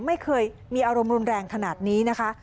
ไม่เคยมีอารมณ์รุนแรงขนาดนี้นะคะ